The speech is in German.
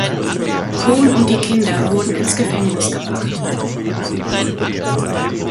Cohn und die Kinder wurden ins Gefängnis gebracht.